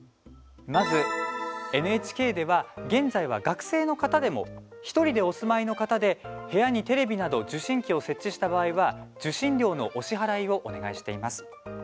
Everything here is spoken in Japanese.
まず、ＮＨＫでは現在は学生の方でも１人でお住まいの方で部屋にテレビなど受信機を設置した場合は受信料のお支払いをお願いしています。